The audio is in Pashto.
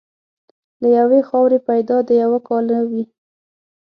له یوې خاورې پیدا د یوه کاله وې.